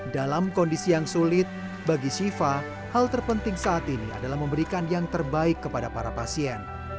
dalam kondisi yang sulit bagi shiva hal terpenting saat ini adalah memberikan yang terbaik kepada para pasien